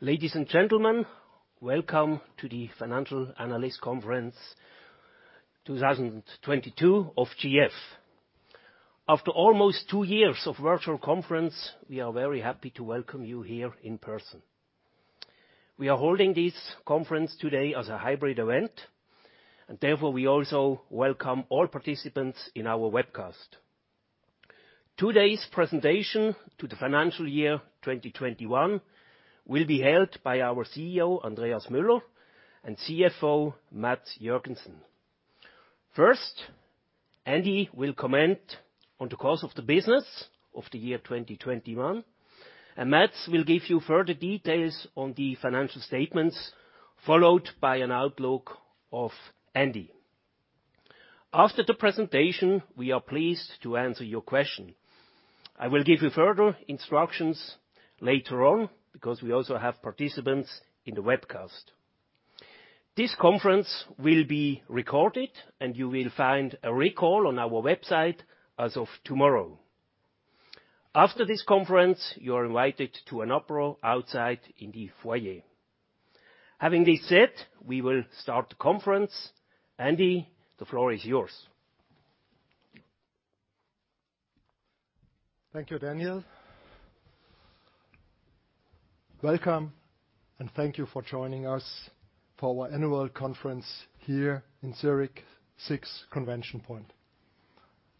Ladies and gentlemen, welcome to the Financial Analyst Conference 2022 of GF. After almost two years of virtual conference, we are very happy to welcome you here in person. We are holding this conference today as a hybrid event, and therefore, we also welcome all participants in our webcast. Today's presentation to the financial year 2021 will be held by our CEO, Andreas Müller, and CFO, Mads Joergensen. First, Andy will comment on the course of the business of the year 2021, and Mads will give you further details on the financial statements, followed by an outlook of Andy. After the presentation, we are pleased to answer your question. I will give you further instructions later on because we also have participants in the webcast. This conference will be recorded, and you will find a record on our website as of tomorrow. After this conference, you are invited to an apéro outside in the foyer. Having this said, we will start the conference. Andy, the floor is yours. Thank you, Daniel. Welcome and thank you for joining us for our Annual Conference here in Zurich, SIX ConventionPoint.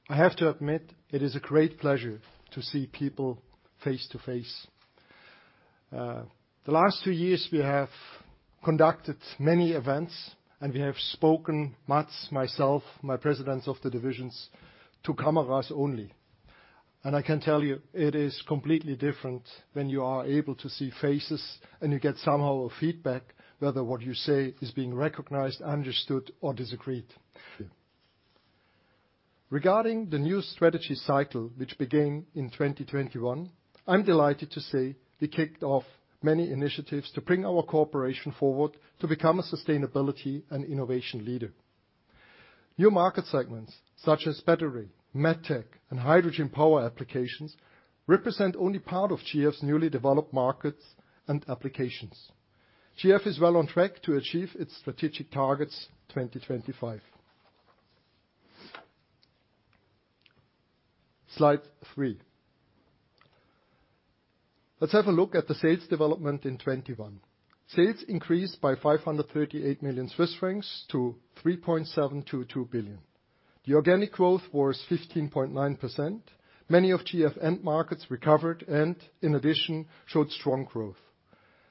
I have to admit, it is a great pleasure to see people face to face. The last two years we have conducted many events, and we have spoken, Mads, myself, my presidents of the divisions, to cameras only. I can tell you, it is completely different when you are able to see faces and you get somehow a feedback whether what you say is being recognized, understood or disagreed. Regarding the new strategy cycle, which began in 2021, I'm delighted to say we kicked off many initiatives to bring our corporation forward to become a sustainability and innovation leader. New market segments, such as Battery, MedTech, and Hydrogen power applications represent only part of GF's newly developed markets and applications. GF is well on track to achieve its strategic targets, 2025. Slide three. Let's have a look at the sales development in 2021. Sales increased by 538 million-3.722 billion Swiss francs. The organic growth was 15.9%. Many of GF end markets recovered and in addition showed strong growth.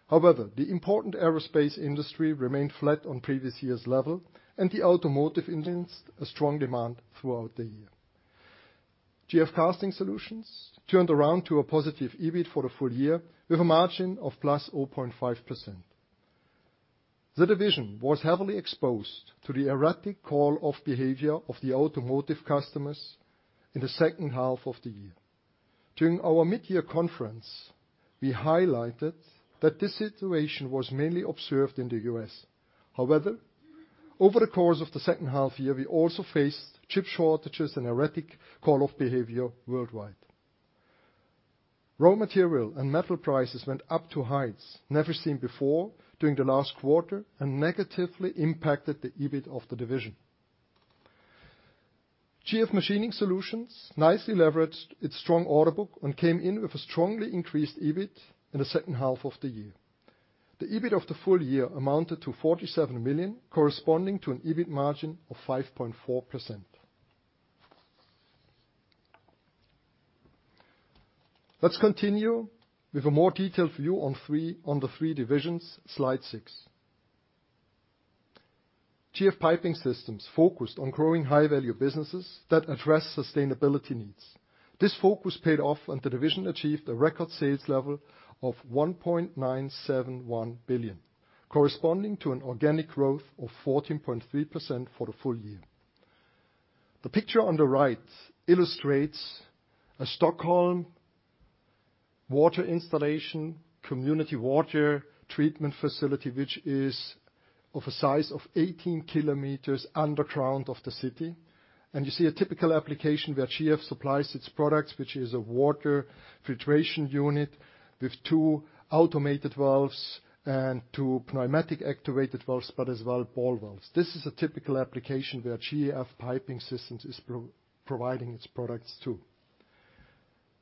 However, the important Aerospace industry remained flat on previous year's level, and the Automotive industry showed a strong demand throughout the year. GF Casting Solutions turned around to a positive EBIT for the full year with a margin of +0.5%. The division was heavily exposed to the erratic call-off behavior of the automotive customers in the second half of the year. During our mid-year conference, we highlighted that this situation was mainly observed in the U.S. However, over the course of the second half year, we also faced chip shortages and erratic call off behavior worldwide. Raw material and metal prices went up to heights never seen before during the last quarter and negatively impacted the EBIT of the division. GF Machining Solutions nicely leveraged its strong order book and came in with a strongly increased EBIT in the second half of the year. The EBIT of the full year amounted to 47 million, corresponding to an EBIT margin of 5.4%. Let's continue with a more detailed view on the three divisions, slide six. GF Piping Systems focused on growing high-value businesses that address sustainability needs. This focus paid off, and the division achieved a record sales level of 1.971 billion, corresponding to an organic growth of 14.3% for the full year. The picture on the right illustrates a Stockholm water installation community water treatment facility, which is of a size of 18 km underground of the city. You see a typical application where GF supplies its products, which is a water filtration unit with two automated valves and two pneumatic activated valves, but as well ball valves. This is a typical application where GF Piping Systems is providing its products to.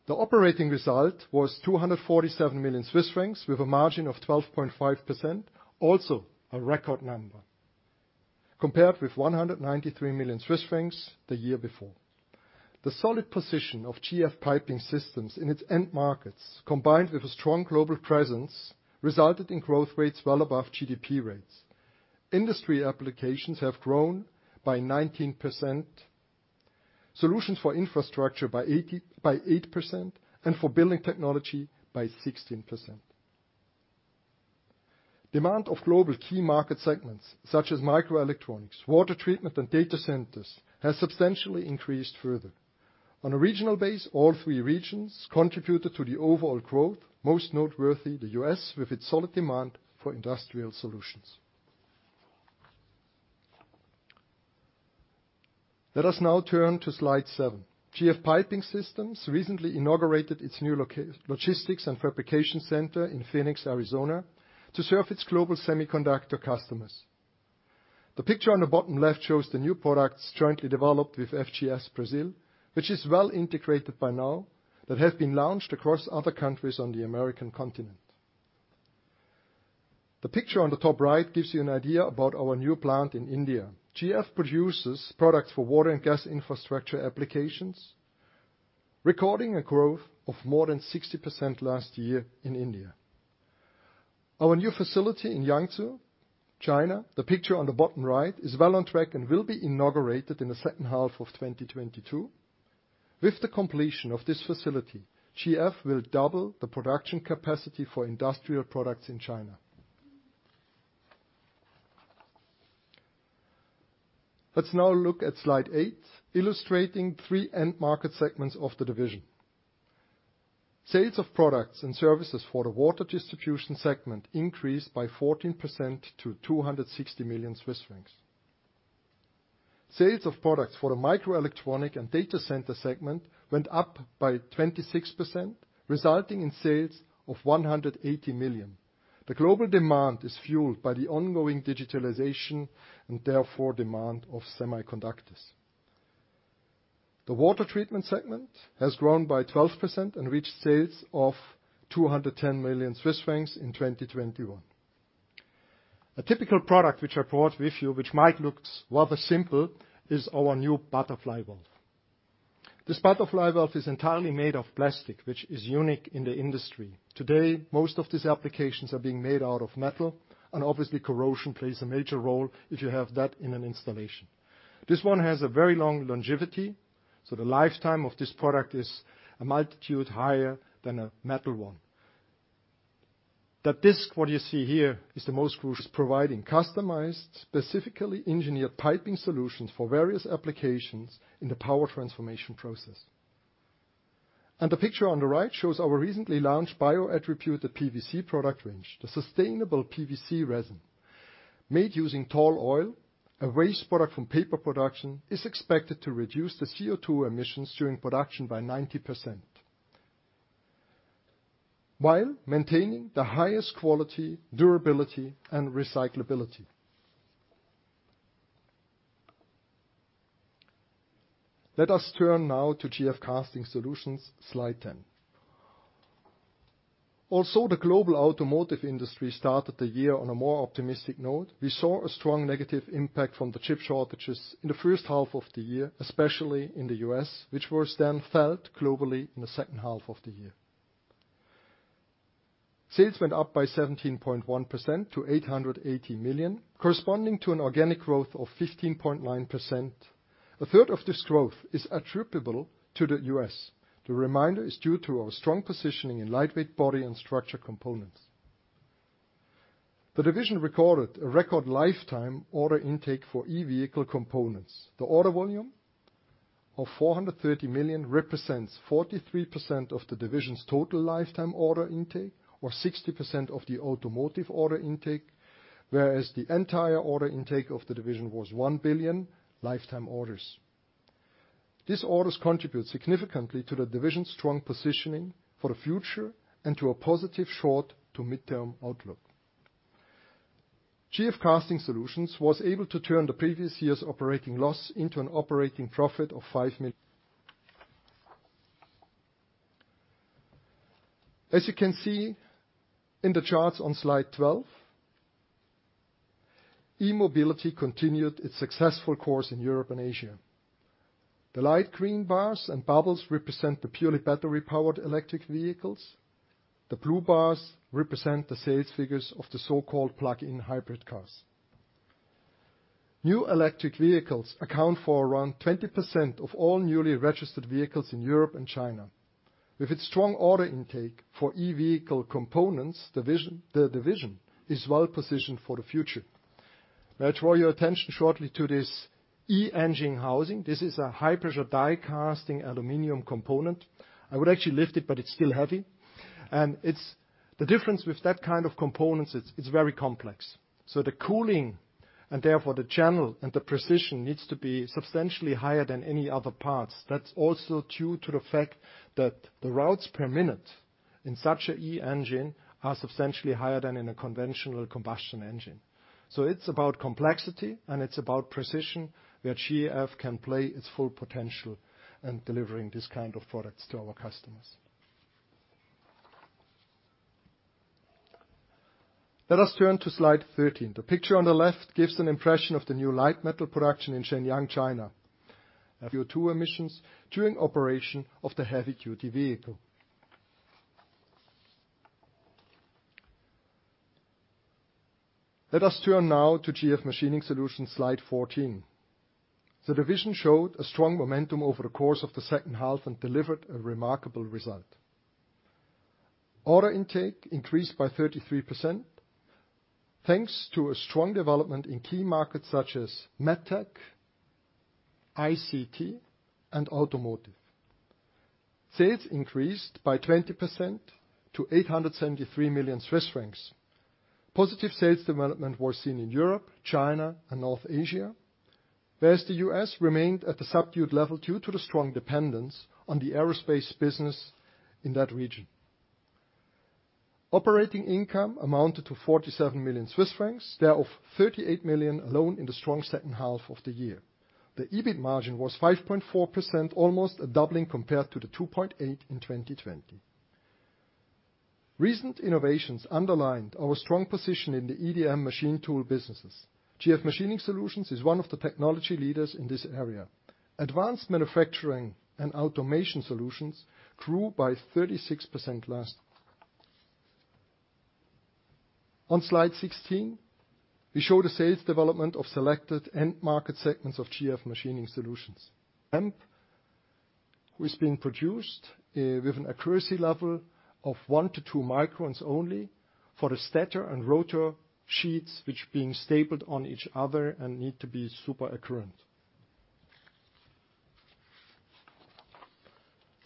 The operating result was 247 million Swiss francs with a margin of 12.5%, also a record number, compared with 193 million Swiss francs the year before. The solid position of GF Piping Systems in its end markets, combined with a strong global presence, resulted in growth rates well above GDP rates. Industry applications have grown by 19%, solutions for infrastructure by 8%, and for building technology by 16%. Demand of global key market segments such as microelectronics, water treatment, and data centers has substantially increased further. On a regional base, all three regions contributed to the overall growth, most noteworthy the U.S., with its solid demand for industrial solutions. Let us now turn to slide seven. GF Piping Systems recently inaugurated its new logistics and fabrication center in Phoenix, Arizona to serve its global semiconductor customers. The picture on the bottom left shows the new products jointly developed with FGS Brasil, which is well integrated by now, that have been launched across other countries on the American continent. The picture on the top right gives you an idea about our new plant in India. GF produces products for water and gas infrastructure applications, recording a growth of more than 60% last year in India. Our new facility in Yangzhou, China, the picture on the bottom right, is well on track and will be inaugurated in the second half of 2022. With the completion of this facility, GF will double the production capacity for industrial products in China. Let's now look at slide eight, illustrating three end market segments of the division. Sales of products and services for the water distribution segment increased by 14% to 260 million Swiss francs. Sales of products for the Microelectronic and data center segment went up by 26%, resulting in sales of 180 million. The global demand is fueled by the ongoing digitalization, and therefore demand for semiconductors. The Water Treatment segment has grown by 12% and reached sales of 210 million Swiss francs in 2021. A typical product which I brought with you, which might look rather simple, is our new butterfly valve. This butterfly valve is entirely made of plastic, which is unique in the industry. Today, most of these applications are being made out of metal, and obviously corrosion plays a major role if you have that in an installation. This one has a very long longevity, so the lifetime of this product is a multitude higher than a metal one. That this, what you see here, is the most crucial providing customized, specifically engineered piping solutions for various applications in the power transformation process. The picture on the right shows our recently launched bio-attributed PVC product range. The sustainable PVC resin made using tall oil, a waste product from paper production, is expected to reduce the CO2 emissions during production by 90%. While maintaining the highest quality, durability and recyclability. Let us turn now to GF Casting Solutions, slide 10. Also, the global automotive industry started the year on a more optimistic note. We saw a strong negative impact from the chip shortages in the first half of the year, especially in the U.S., which was then felt globally in the second half of the year. Sales went up by 17.1% to 880 million, corresponding to an organic growth of 15.9%. A 1/3 of this growth is attributable to the U.S. The remainder is due to our strong positioning in lightweight body and structure components. The division recorded a record lifetime order intake for e-vehicle components. The order volume of 430 million represents 43% of the division's total lifetime order intake or 60% of the automotive order intake, whereas the entire order intake of the division was 1 billion lifetime orders. These orders contribute significantly to the division's strong positioning for the future and to a positive short to midterm outlook. GF Casting Solutions was able to turn the previous year's operating loss into an operating profit of 5 million. As you can see in the charts on slide 12, e-mobility continued its successful course in Europe and Asia. The light green bars and bubbles represent the purely battery-powered electric vehicles. The blue bars represent the sales figures of the so-called plug-in hybrid cars. New electric vehicles account for around 20% of all newly registered vehicles in Europe and China. With its strong order intake for e-vehicle components, the division is well positioned for the future. May I draw your attention shortly to this E-Engine Housing. This is a high-pressure die casting aluminum component. I would actually lift it, but it's still heavy. It's the difference with that kind of components. It's very complex. The cooling and therefore the channel and the precision needs to be substantially higher than any other parts. That's also due to the fact that the revs per minute in such a e-engine are substantially higher than in a conventional combustion engine. It's about complexity, and it's about precision, where GF can play its full potential in delivering these kind of products to our customers. Let us turn to slide 13. The picture on the left gives an impression of the new light metal production in Shenyang, China. CO2 emissions during operation of the heavy-duty vehicle. Let us turn now to GF Machining Solutions, slide 14. The division showed a strong momentum over the course of the second half and delivered a remarkable result. Order intake increased by 33% thanks to a strong development in key markets such as MedTech, ICT, and Automotive. Sales increased by 20% to 873 million Swiss francs. Positive sales development was seen in Europe, China, and North Asia, whereas the U.S. remained at the subdued level due to the strong dependence on the aerospace business in that region. Operating income amounted to 47 million Swiss francs, thereof 38 million alone in the strong second half of the year. The EBIT margin was 5.4%, almost a doubling compared to the 2.8% in 2020. Recent innovations underlined our strong position in the EDM machine tool businesses. GF Machining Solutions is one of the technology leaders in this area. Advanced Manufacturing and Automation Solutions grew by 36% last. On slide 16, we show the sales development of selected end market segments of GF Machining Solutions. Stamping with an accuracy level of 1 microns-2 microns only for the stator and rotor sheets which are being stacked on each other and need to be super accurate.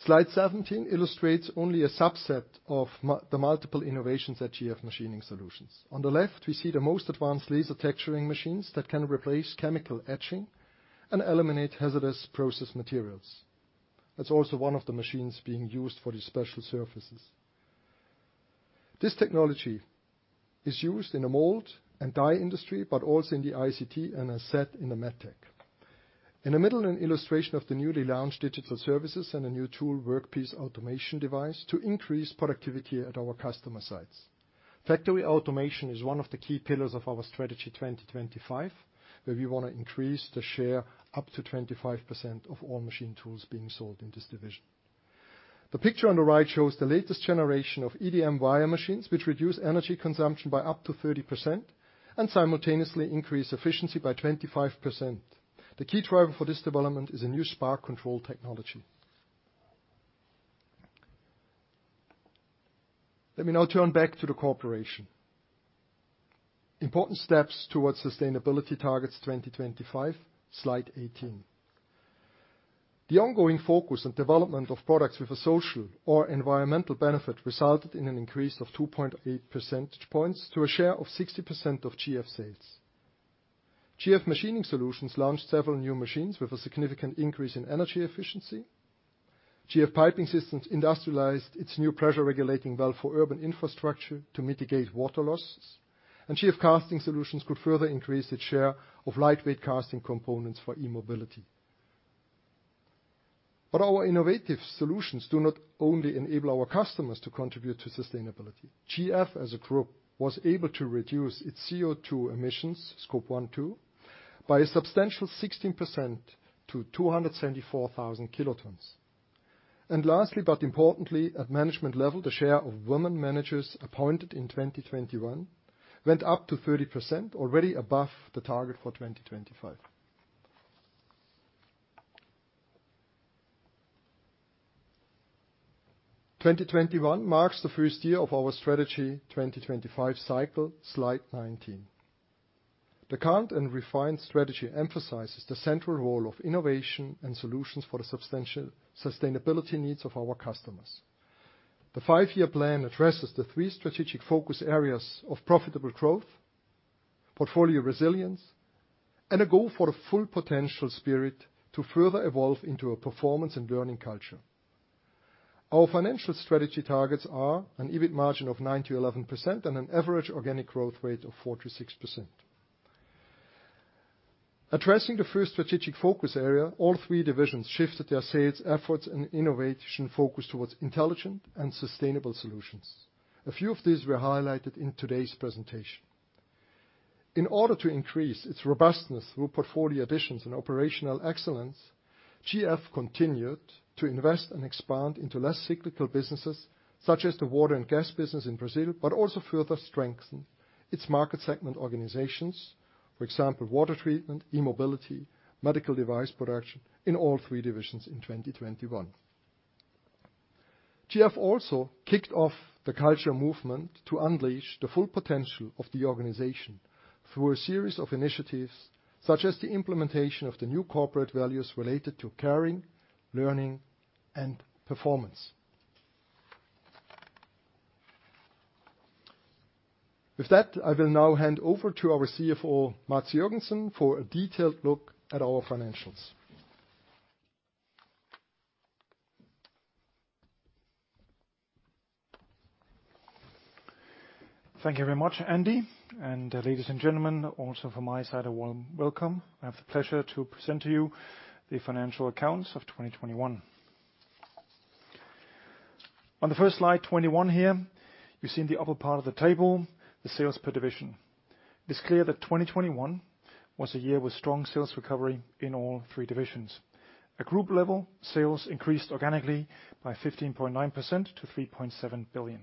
Slide 17 illustrates only a subset of the multiple innovations at GF Machining Solutions. On the left, we see the most advanced laser texturing machines that can replace chemical etching and eliminate hazardous process materials. That's also one of the machines being used for the special surfaces. This technology is used in the mold and die industry, but also in the ICT and as said in the MedTech. In the middle, an illustration of the newly launched digital services and a new tool workpiece automation device to increase productivity at our customer sites. Factory automation is one of the key pillars of our Strategy 2025, where we want to increase the share up to 25% of all machine tools being sold in this division. The picture on the right shows the latest generation of EDM wire machines, which reduce energy consumption by up to 30% and simultaneously increase efficiency by 25%. The key driver for this development is a new Spark Track control technology. Let me now turn back to the corporation. Important steps towards sustainability targets 2025, slide 18. The ongoing focus on development of products with a social or environmental benefit resulted in an increase of 2.8 percentage points to a share of 60% of GF sales. GF Machining Solutions launched several new machines with a significant increase in energy efficiency. GF Piping Systems industrialized its new pressure regulating valve for urban infrastructure to mitigate water losses. GF Casting Solutions could further increase its share of lightweight casting components for e-mobility. Our innovative solutions do not only enable our customers to contribute to sustainability. GF, as a group, was able to reduce its CO2 emissions, Scope 1 and 2, by a substantial 16% to 274,000 kt. Lastly, but importantly, at management level, the share of women managers appointed in 2021 went up to 30%, already above the target for 2025. 2021 marks the first year of our Strategy 2025 cycle, slide 19. The current and refined strategy emphasizes the central role of innovation and solutions for the substantial sustainability needs of our customers. The five-year plan addresses the three strategic focus areas of profitable growth, portfolio resilience, and a go for a full potential spirit to further evolve into a performance and learning culture. Our financial strategy targets are an EBIT margin of 9%-11% and an average organic growth rate of 4%-6%. Addressing the first strategic focus area, all three divisions shifted their sales efforts and innovation focus towards intelligent and sustainable solutions. A few of these were highlighted in today's presentation. In order to increase its robustness through portfolio additions and operational excellence, GF continued to invest and expand into less cyclical businesses, such as the water and gas business in Brazil, but also further strengthened its market segment organizations, for example, water treatment, e-mobility, medical device production in all three divisions in 2021. GF also kicked off the culture movement to unleash the full potential of the organization through a series of initiatives, such as the implementation of the new corporate values related to caring, learning, and performance. With that, I will now hand over to our CFO, Mads Joergensen, for a detailed look at our financials. Thank you very much, Andy. Ladies and gentlemen, also from my side, a warm welcome. I have the pleasure to present to you the financial accounts of 2021. On the first slide, 2021 here, you see in the upper part of the table the sales per division. It is clear that 2021 was a year with strong sales recovery in all three divisions. At group level, sales increased organically by 15.9% to 3.7 billion.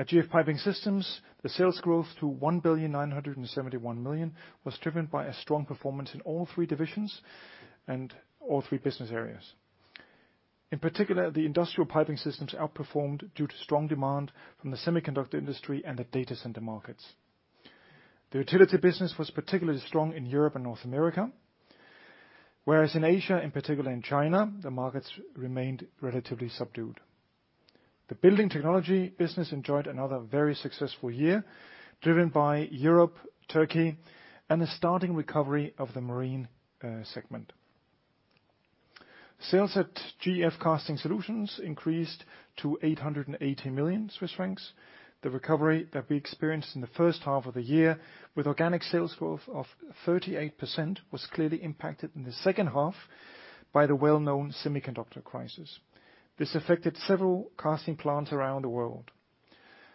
At GF Piping Systems, the sales growth to 1.971 billion was driven by a strong performance in all three divisions and all three business areas. In particular, the industrial piping systems outperformed due to strong demand from the semiconductor industry and the data center markets. The utility business was particularly strong in Europe and North America. Whereas in Asia, in particular in China, the markets remained relatively subdued. The building technology business enjoyed another very successful year, driven by Europe, Turkey, and a starting recovery of the marine segment. Sales at GF Casting Solutions increased to 880 million Swiss francs. The recovery that we experienced in the first half of the year, with organic sales growth of 38%, was clearly impacted in the second half by the well-known semiconductor crisis. This affected several casting plants around the world.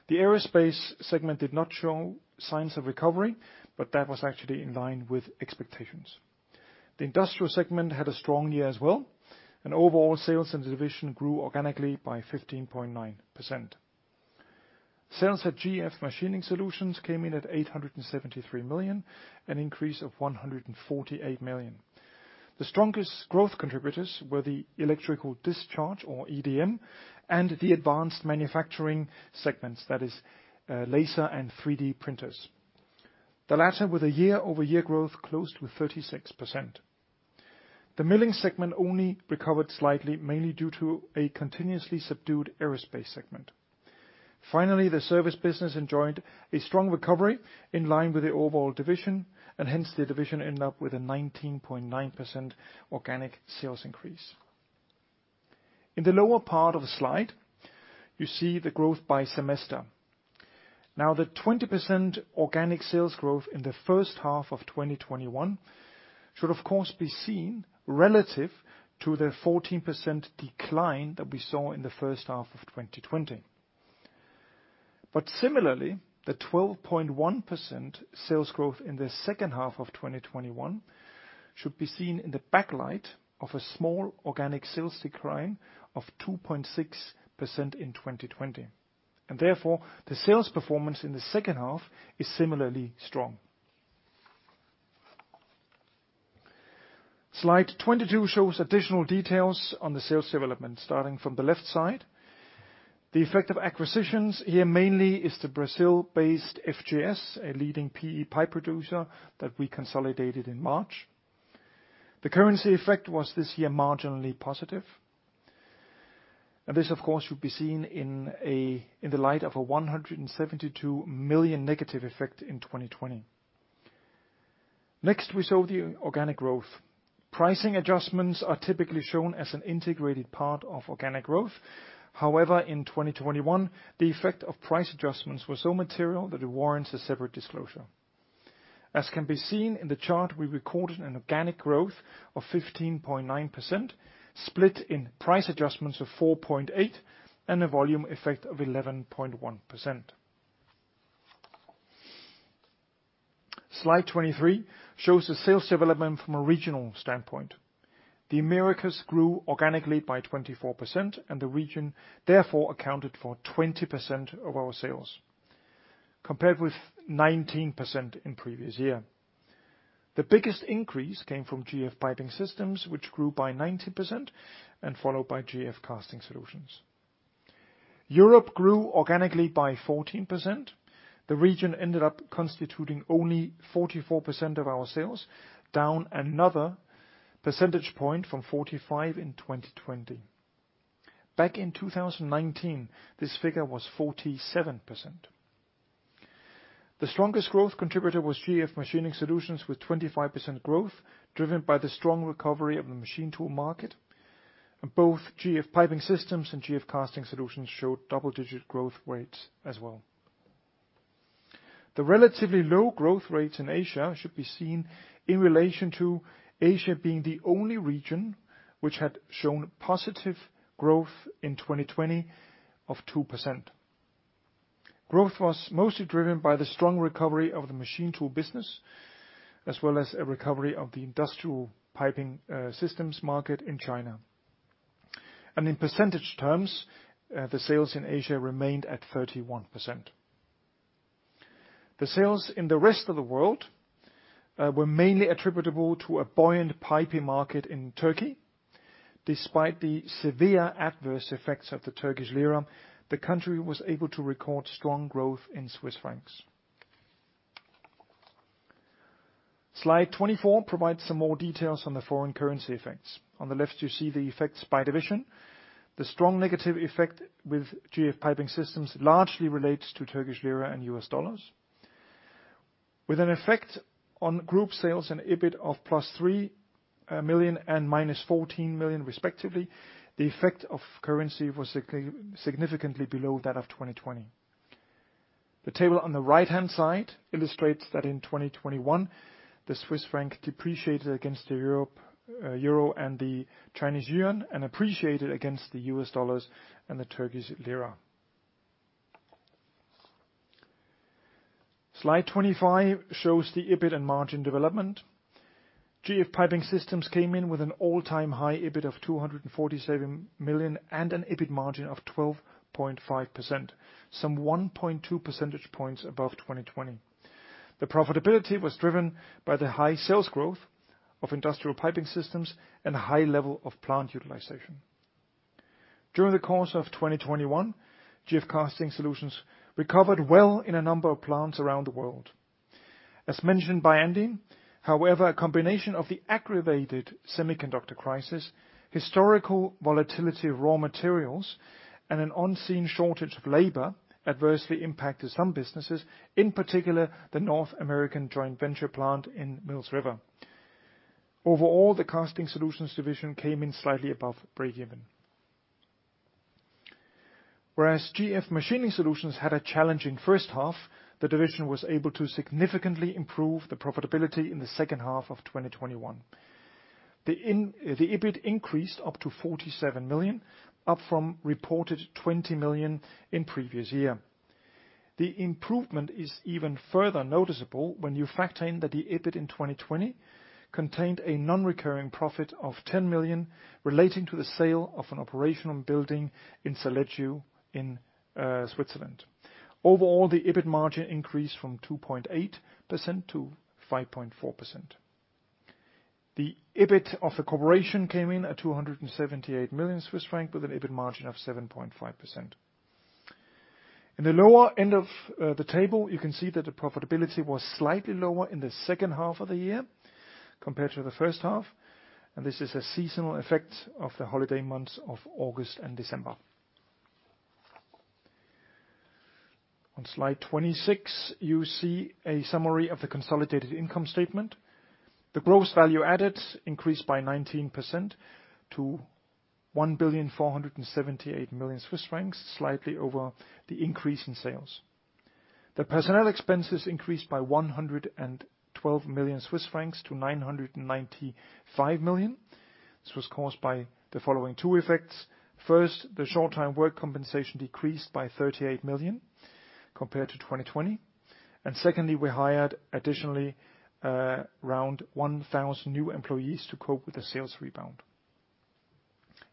The Aerospace segment did not show signs of recovery, but that was actually in line with expectations. The Industrial segment had a strong year as well, and overall sales in the division grew organically by 15.9%. Sales at GF Machining Solutions came in at 873 million, an increase of 148 million. The strongest growth contributors were the Electrical Discharge, or EDM, and the Advanced Manufacturing segments, that is, laser and 3D printers. The latter with a year-over-year growth close to 36%. The Milling segment only recovered slightly, mainly due to a continuously subdued Aerospace segment. Finally, the service business enjoyed a strong recovery in line with the overall division, and hence, the division ended up with a 19.9% organic sales increase. In the lower part of the slide, you see the growth by semester. Now, the 20% organic sales growth in the first half of 2021 should of course be seen relative to the 14% decline that we saw in the first half of 2020. Similarly, the 12.1% sales growth in the second half of 2021 should be seen in the light of a small organic sales decline of 2.6% in 2020. Therefore, the sales performance in the second half is similarly strong. Slide 22 shows additional details on the sales development. Starting from the left side, the effect of acquisitions here mainly is the Brazil-based FGS, a leading PE pipe producer that we consolidated in March. The currency effect was this year marginally positive. This of course should be seen in the light of a 172 million negative effect in 2020. Next, we saw the organic growth. Pricing adjustments are typically shown as an integrated part of organic growth. However, in 2021, the effect of price adjustments was so material that it warrants a separate disclosure. As can be seen in the chart, we recorded an organic growth of 15.9%, split in price adjustments of 4.8%, and a volume effect of 11.1%. Slide 23 shows the sales development from a regional standpoint. The Americas grew organically by 24%, and the region therefore accounted for 20% of our sales, compared with 19% in previous year. The biggest increase came from GF Piping Systems, which grew by 90% and followed by GF Casting Solutions. Europe grew organically by 14%. The region ended up constituting only 44% of our sales, down another percentage point from 45% in 2020. Back in 2019, this figure was 47%. The strongest growth contributor was GF Machining Solutions with 25% growth, driven by the strong recovery of the machine tool market. Both GF Piping Systems and GF Casting Solutions showed double-digit growth rates as well. The relatively low growth rates in Asia should be seen in relation to Asia being the only region which had shown positive growth in 2020 of 2%. Growth was mostly driven by the strong recovery of the machine tool business, as well as a recovery of the industrial piping systems market in China. In percentage terms, the sales in Asia remained at 31%. The sales in the rest of the world were mainly attributable to a buoyant piping market in Turkey. Despite the severe adverse effects of the Turkish lira, the country was able to record strong growth in Swiss francs. Slide 24 provides some more details on the foreign currency effects. On the left, you see the effects by division. The strong negative effect with GF Piping Systems largely relates to Turkish lira and U.S. dollars. With an effect on group sales and EBIT of +3 million and -14 million, respectively, the effect of currency was significantly below that of 2020. The table on the right-hand side illustrates that in 2021, the Swiss franc depreciated against the Europe euro and the Chinese yuan, and appreciated against the U.S. dollars and the Turkish lira. Slide 25 shows the EBIT and margin development. GF Piping Systems came in with an all-time high EBIT of 247 million and an EBIT margin of 12.5%, some 1.2 percentage points above 2020. The profitability was driven by the high sales growth of industrial piping systems and a high level of plant utilization. During the course of 2021, GF Casting Solutions recovered well in a number of plants around the world. As mentioned by Andy, however, a combination of the aggravated semiconductor crisis, historical volatility of raw materials, and an unseen shortage of labor adversely impacted some businesses, in particular, the North American joint venture plant in Mills River. Overall, the Casting Solutions Division came in slightly above breakeven. Whereas GF Machining Solutions had a challenge in first half, the Division was able to significantly improve the profitability in the second half of 2021. The EBIT increased up to 47 million, up from reported 20 million in previous year. The improvement is even further noticeable when you factor in that the EBIT in 2020 contained a non-recurring profit of 10 million relating to the sale of an operational building in Sevelen in Switzerland. Overall, the EBIT margin increased from 2.8%-5.4%. The EBIT of the corporation came in at 278 million Swiss francs with an EBIT margin of 7.5%. In the lower end of the table, you can see that the profitability was slightly lower in the second half of the year compared to the first half, and this is a seasonal effect of the holiday months of August and December. On slide 26, you see a summary of the consolidated income statement. The gross value added increased by 19% to 1,478 million Swiss francs, slightly over the increase in sales. The personnel expenses increased by 112 million-995 million Swiss francs. This was caused by the following two effects. First, the short time work compensation decreased by 38 million compared to 2020. Secondly, we hired additionally, around 1,000 new employees to cope with the sales rebound.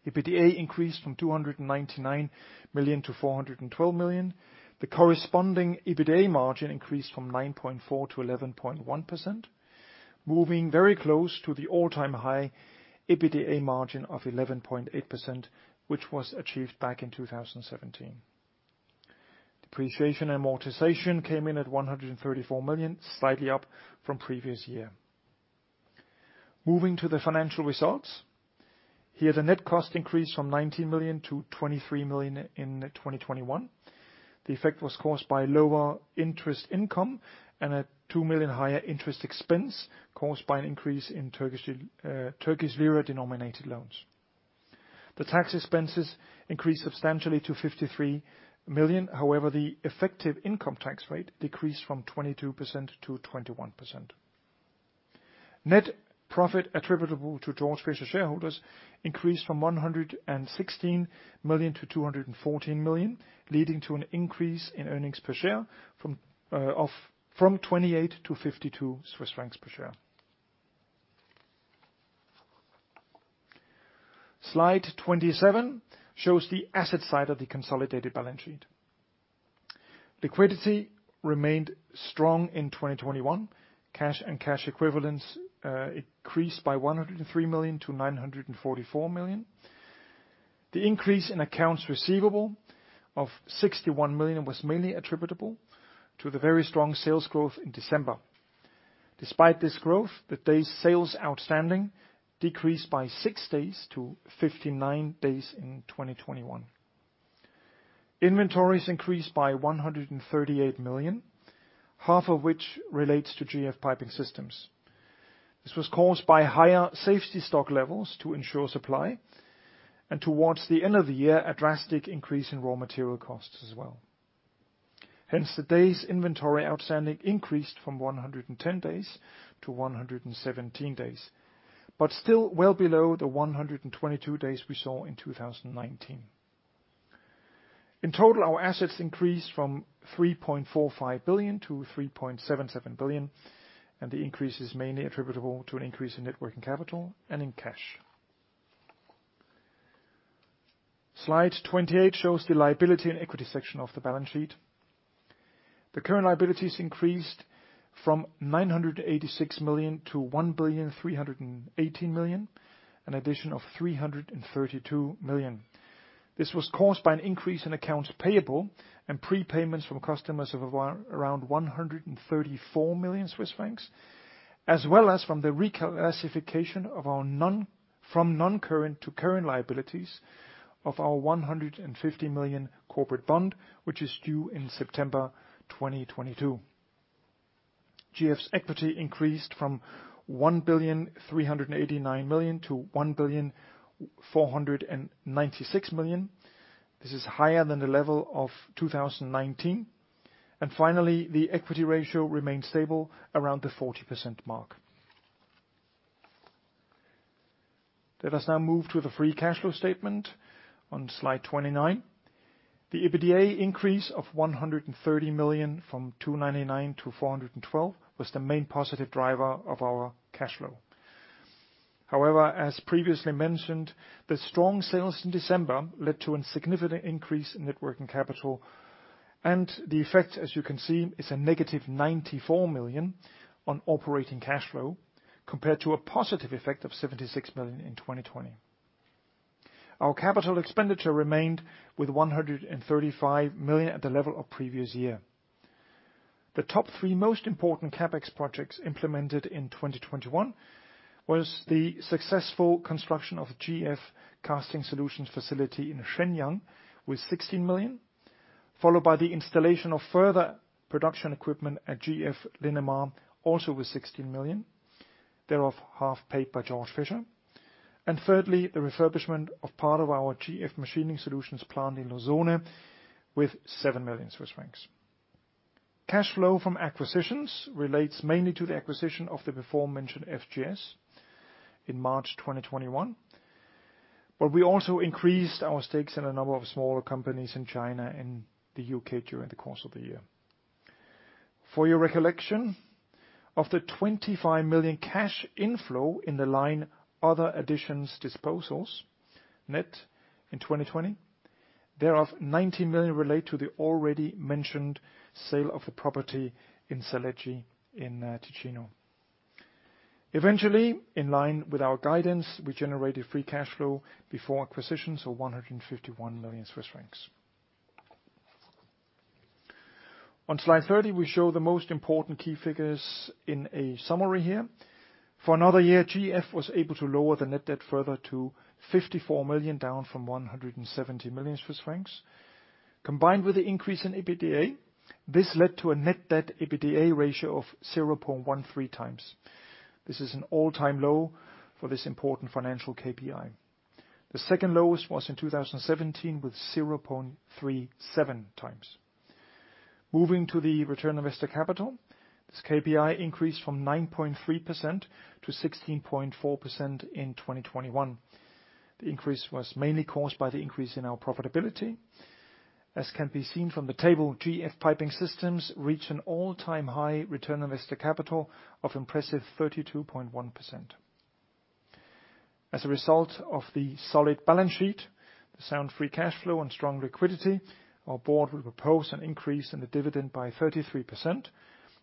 EBITDA increased from 299 million to 412 million. The corresponding EBITDA margin increased from 9.4%-11.1%, moving very close to the all-time high EBITDA margin of 11.8%, which was achieved back in 2017. Depreciation and amortization came in at 134 million, slightly up from previous year. Moving to the financial results. Here, the net cost increased from 19 million-23 million in 2021. The effect was caused by lower interest income and a 2 million higher interest expense caused by an increase in Turkish lira-denominated loans. The tax expenses increased substantially to 53 million. However, the effective income tax rate decreased from 22% to 21%. Net profit attributable to Georg Fischer shareholders increased from 116 million-214 million, leading to an increase in earnings per share from 28-52 Swiss francs per share. Slide 27 shows the asset side of the consolidated balance sheet. Liquidity remained strong in 2021. Cash and cash equivalents increased by 103 million-944 million. The increase in accounts receivable of 61 million was mainly attributable to the very strong sales growth in December. Despite this growth, the days sales outstanding decreased by 6 days-59 days in 2021. Inventories increased by 138 million, half of which relates to GF Piping Systems. This was caused by higher safety stock levels to ensure supply, and towards the end of the year, a drastic increase in raw material costs as well. Hence, the days inventory outstanding increased from 110 days-117 days, but still well below the 122 days we saw in 2019. In total, our assets increased from 3.45 billion-3.77 billion, and the increase is mainly attributable to an increase in net working capital and in cash. Slide 28 shows the liability and equity section of the balance sheet. The current liabilities increased from 986 million-1.318 billion, an addition of 332 million. This was caused by an increase in accounts payable and prepayments from customers of around 134 million Swiss francs, as well as from the reclassification from non-current to current liabilities of our 150 million corporate bond, which is due in September 2022. GF's equity increased from 1.389 billion-1.496 billion. This is higher than the level of 2019. Finally, the equity ratio remains stable around the 40% mark. Let us now move to the free cash flow statement on slide 29. The EBITDA increase of 130 million from 299 million-412 million was the main positive driver of our cash flow. However, as previously mentioned, the strong sales in December led to a significant increase in net working capital. The effect, as you can see, is a negative 94 million on operating cash flow compared to a positive effect of 76 million in 2020. Our capital expenditure remained with 135 million at the level of previous year. The top three most important CapEx projects implemented in 2021 was the successful construction of GF Casting Solutions facility in Shenyang with 16 million, followed by the installation of further production equipment at GF Linamar, also with 16 million, thereof half paid by Georg Fischer. Thirdly, the refurbishment of part of our GF Machining Solutions plant in Losone with 7 million Swiss francs. Cash flow from acquisitions relates mainly to the acquisition of the before mentioned FGS in March 2021. We also increased our stakes in a number of smaller companies in China and the U.K. during the course of the year. For your recollection, of the 25 million cash inflow in the line other additions disposals net in 2020, thereof 19 million relate to the already mentioned sale of the property in Sevelen, in Ticino. Eventually, in line with our guidance, we generated free cash flow before acquisitions of 151 million Swiss francs. On slide 30, we show the most important key figures in a summary here. For another year, GF was able to lower the net debt further to 54 million, down from 170 million Swiss francs. Combined with the increase in EBITDA, this led to a net debt EBITDA ratio of 0.13x. This is an all-time low for this important financial KPI. The second lowest was in 2017, with 0.37x. Moving to the return on invested capital, this KPI increased from 9.3%-16.4% in 2021. The increase was mainly caused by the increase in our profitability. As can be seen from the table, GF Piping Systems reached an all-time high return on invested capital of impressive 32.1%. As a result of the solid balance sheet, the sound free cash flow and strong liquidity, our Board will propose an increase in the dividend by 33%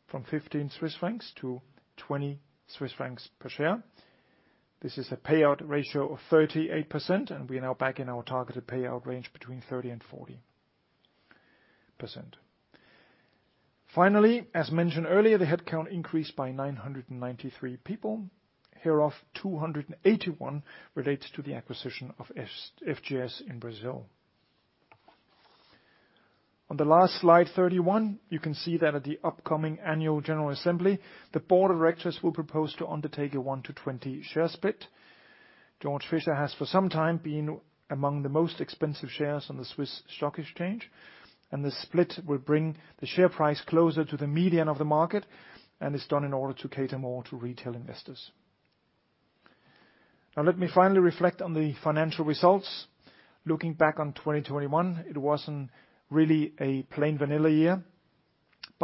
from 15-20 Swiss francs per share. This is a payout ratio of 38%, and we are now back in our targeted payout range between 30% and 40%. Finally, as mentioned earlier, the headcount increased by 993 people, hereof 281 relates to the acquisition of FGS in Brazil. On the last slide 31, you can see that at the upcoming annual general assembly, the board of directors will propose to undertake a 1-to-20 share split. Georg Fischer has for some time been among the most expensive shares on the SIX Swiss Stock Exchange, and the split will bring the share price closer to the median of the market, and is done in order to cater more to retail investors. Now let me finally reflect on the financial results. Looking back on 2021, it wasn't really a plain vanilla year.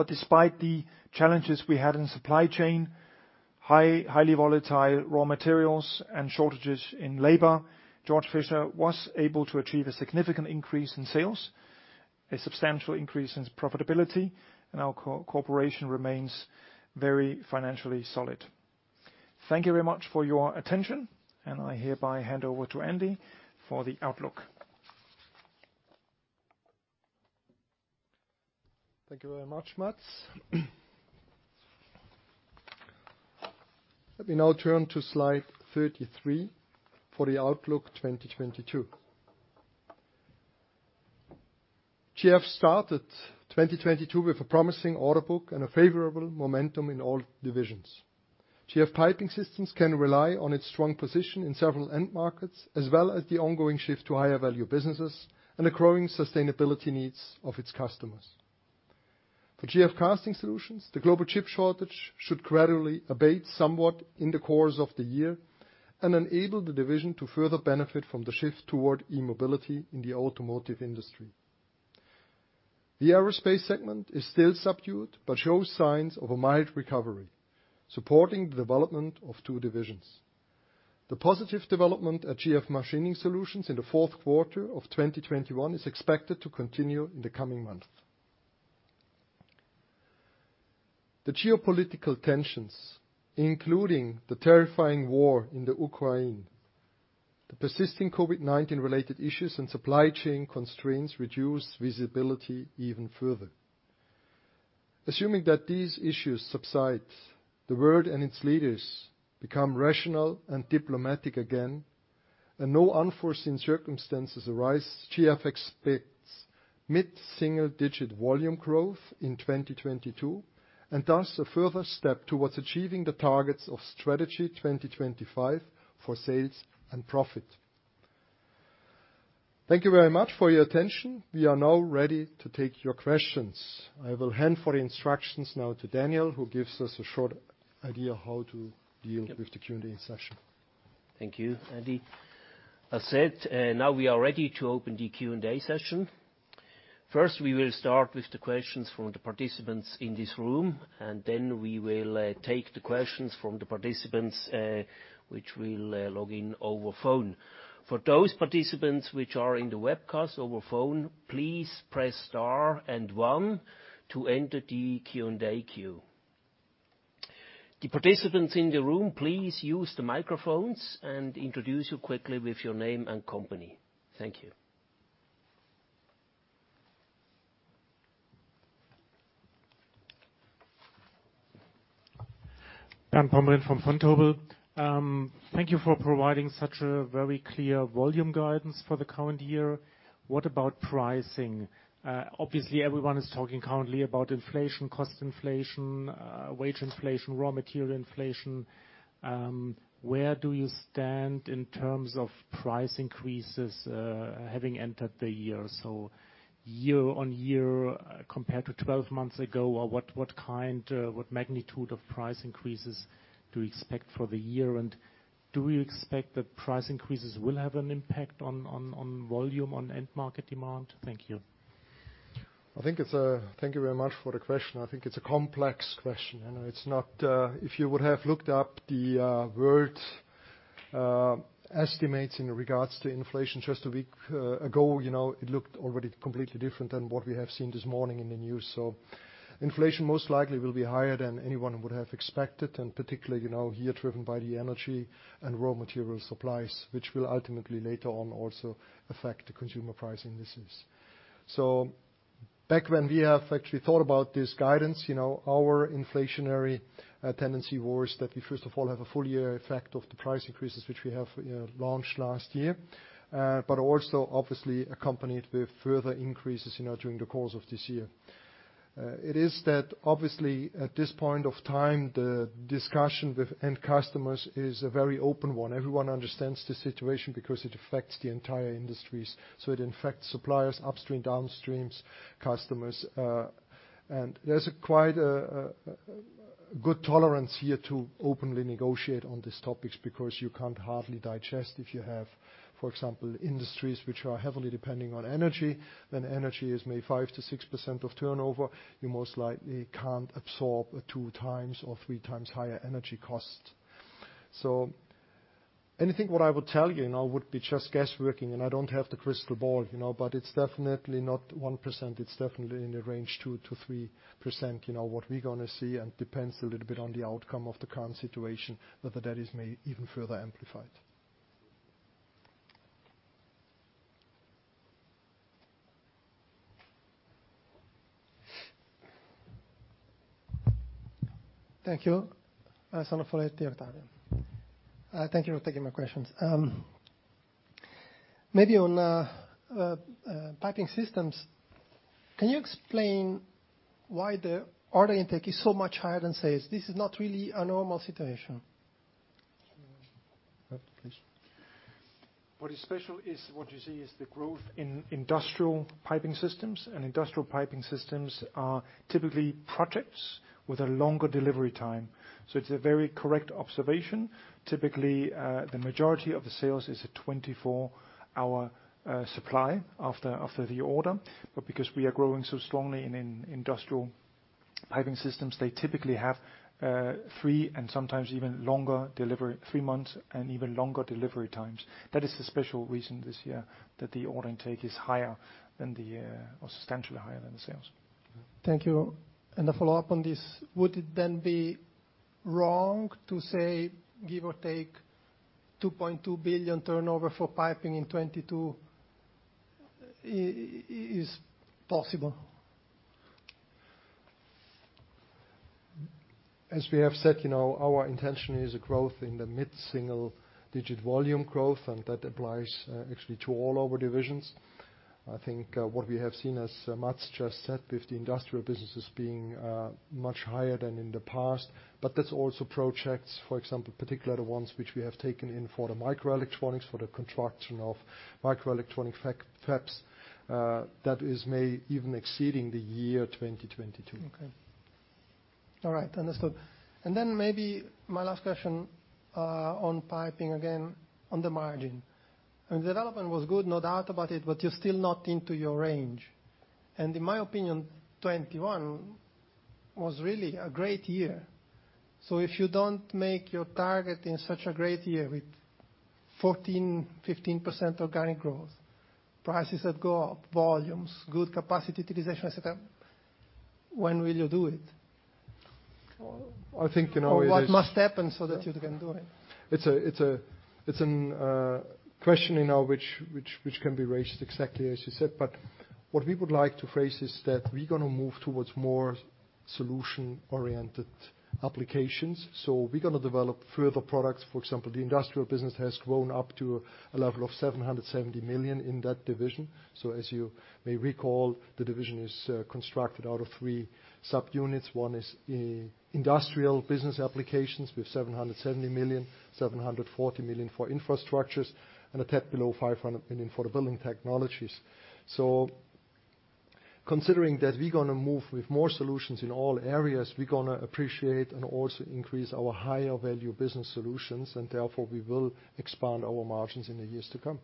Despite the challenges we had in supply chain, highly volatile raw materials and shortages in labor, Georg Fischer was able to achieve a significant increase in sales, a substantial increase in profitability, and our corporation remains very financially solid. Thank you very much for your attention, and I hereby hand over to Andy for the outlook. Thank you very much, Mads. Let me now turn to slide 33 for the Outlook 2022. GF started 2022 with a promising order book and a favorable momentum in all divisions. GF Piping Systems can rely on its strong position in several end markets, as well as the ongoing shift to higher value businesses and the growing sustainability needs of its customers. For GF Casting Solutions, the global chip shortage should gradually abate somewhat in the course of the year and enable the division to further benefit from the shift toward e-mobility in the automotive industry. The Aerospace segment is still subdued, but shows signs of a mild recovery, supporting the development of two divisions. The positive development at GF Machining Solutions in the fourth quarter of 2021 is expected to continue in the coming months. The geopolitical tensions, including the terrifying war in Ukraine, the persisting COVID-19 related issues, and supply chain constraints reduce visibility even further. Assuming that these issues subside, the world and its leaders become rational and diplomatic again, and no unforeseen circumstances arise, GF expects mid-single-digit volume growth in 2022, and thus a further step towards achieving the targets of Strategy 2025 for sales and profit. Thank you very much for your attention. We are now ready to take your questions. I will hand for the instructions now to Daniel, who gives us a short idea how to deal with the Q&A session. Thank you, Andy. As said, now we are ready to open the Q&A session. First, we will start with the questions from the participants in this room, and then we will take the questions from the participants which will log in over phone. For those participants which are in the webcast over phone, please press star and one to enter the Q&A queue. The participants in the room, please use the microphones, and introduce yourself quickly with your name and company. Thank you. Bernd Pomrehn from Vontobel. Thank you for providing such a very clear volume guidance for the current year. What about pricing? Obviously, everyone is talking currently about inflation, cost inflation, wage inflation, raw material inflation. Where do you stand in terms of price increases, having entered the year? Year-on-year, compared to 12 months ago, or what kind, what magnitude of price increases do you expect for the year? And do you expect that price increases will have an impact on volume, on end market demand? Thank you. Thank you very much for the question. I think it's a complex question. You know, it's not. If you would have looked up the world estimates in regards to inflation just a week ago, you know, it looked already completely different than what we have seen this morning in the news. Inflation most likely will be higher than anyone would have expected, and particularly, you know, here driven by the energy and raw material supplies, which will ultimately later on also affect the consumer price indices. Back when we have actually thought about this guidance, you know, our inflationary tendency was that we, first of all, have a full year effect of the price increases which we have launched last year. But also obviously accompanied with further increases, you know, during the course of this year. It is that obviously at this point of time, the discussion with end customers is a very open one. Everyone understands the situation because it affects the entire industries. It affects suppliers, upstream, downstreams, customers. There's a quite good tolerance here to openly negotiate on these topics, because you can't hardly digest if you have, for example, industries which are heavily depending on energy, then energy is maybe 5%-6% of turnover. You most likely can't absorb a t2x or 3x higher energy cost. Anything what I would tell you now would be just guesswork, and I don't have the crystal ball, you know. It's definitely not 1%. It's definitely in the range 2%-3%, you know, what we're gonna see and depends a little bit on the outcome of the current situation, whether that is made even further amplified. Thank you. Alessandro Foletti, Octavian. Thank you for taking my questions. Maybe on piping systems, can you explain why the order intake is so much higher than sales? This is not really a normal situation. Please. What is special is what you see is the growth in industrial piping systems. Industrial piping systems are typically projects with a longer delivery time. It's a very correct observation. Typically, the majority of the sales is a 24-hour supply after the order. Because we are growing so strongly in industrial piping systems, they typically have three months and sometimes even longer delivery times. That is the special reason this year that the order intake is higher than the or substantially higher than the sales. Thank you. A follow-up on this, would it then be wrong to say, give or take 2.2 billion turnover for piping in 2022 is possible? As we have said, you know, our intention is a growth in the mid-single digit volume growth, and that applies, actually, to all our divisions. I think, what we have seen, as Mads just said, with the industrial businesses being much higher than in the past. That's also projects, for example, particularly the ones which we have taken in for the microelectronics, for the construction of microelectronic fabs, that is made even exceeding the year 2022. Okay. All right. Understood. Maybe my last question on piping again on the margin. Development was good, no doubt about it, but you're still not into your range. In my opinion, 2021 was really a great year. If you don't make your target in such a great year with 14%-15% organic growth, prices that go up, volumes, good capacity utilization, etc. When will you do it? I think, you know, it is. What must happen so that you can do it? It's a question, you know, which can be raised exactly as you said. What we would like to phrase is that we're gonna move towards more solution-oriented applications. We're gonna develop further products. For example, the industrial business has grown up to a level of 770 million in that division. As you may recall, the division is constructed out of three subunits. One is industrial business applications with 770 million, 740 million for infrastructures, and a tad below 500 million for the building technologies. Considering that we're gonna move with more solutions in all areas, we're gonna appreciate and also increase our higher value business solutions, and therefore we will expand our margins in the years to come.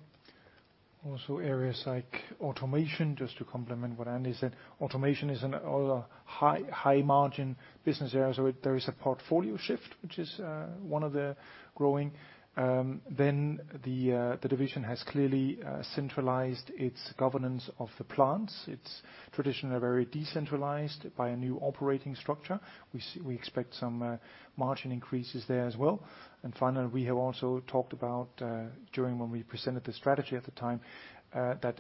Areas like automation, just to complement what Andy said. Automation is another high margin business area. There is a portfolio shift, which is one of the growing. The division has clearly centralized its governance of the plants. It's traditionally very decentralized by a new operating structure. We expect some margin increases there as well. Finally, we have also talked about during when we presented the strategy at the time that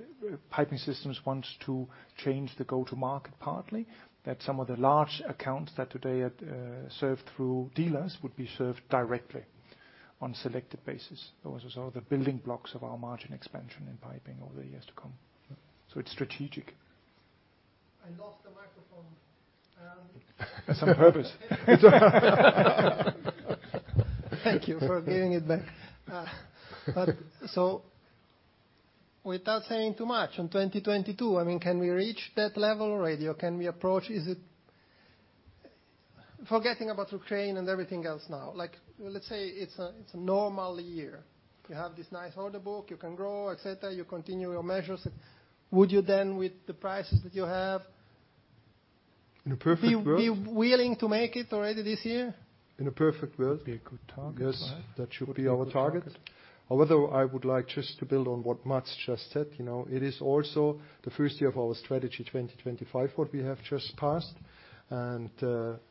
Piping Systems wants to change the go-to-market partly, that some of the large accounts that today are served through dealers would be served directly on selected basis. Those are sort of the building blocks of our margin expansion in piping over the years to come. It's strategic. I lost the microphone. On purpose. Thank you for giving it back. Without saying too much, on 2022, I mean, can we reach that level already or can we approach? Forgetting about Ukraine and everything else now, like, let's say it's a normal year. You have this nice order book, you can grow, et cetera, you continue your measures. Would you then, with the prices that you have? In a perfect world. Be willing to make it already this year? In a perfect world. Be a good target, right? Yes, that should be our target. However, I would like just to build on what Mads just said, you know. It is also the first year of our Strategy 2025 what we have just passed, and